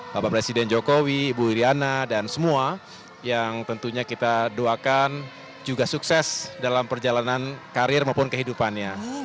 bapak presiden jokowi ibu iryana dan semua yang tentunya kita doakan juga sukses dalam perjalanan karir maupun kehidupannya